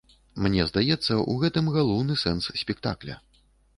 Мне здаецца, у гэтым галоўны сэнс спектакля.